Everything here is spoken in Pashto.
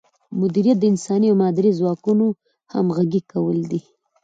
مدیریت د انساني او مادي ځواکونو همغږي کول دي.